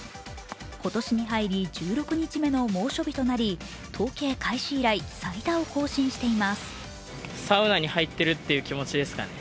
今年に入り１６日目の猛暑日となり統計開始以来最多を更新しています。